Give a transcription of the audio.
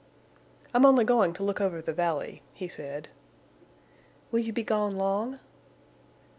"I'm only going to look over the valley," he said. "Will you be gone long?"